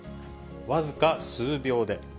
僅か数秒で。